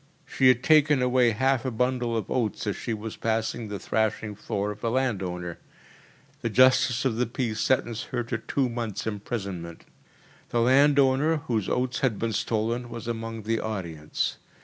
She had taken away half a bundle of oats as she was passing the thrashing floor of a landowner. The justice of the peace sentenced her to two months’ imprisonment. The landowner whose oats had been stolen was among the audience.